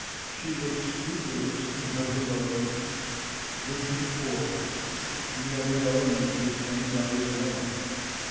She was scrupulous in her devotions, good to the poor, never knowingly did anybody a wrong.